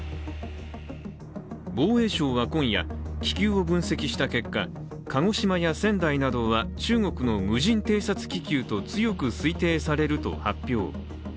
防衛省は今夜、気球を分析した結果、鹿児島や仙台などは中国の無人偵察気球と強く推測されると発表。